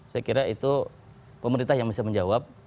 saya kira itu pemerintah yang bisa menjawab